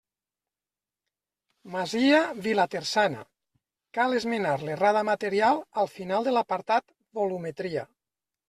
Masia Vilaterçana: cal esmenar l'errada material al final de l'apartat Volumetria.